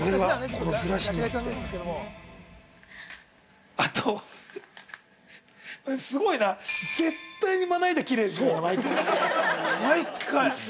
◆すごいな。